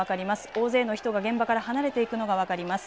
大勢の人が現場から離れていくのが分かります。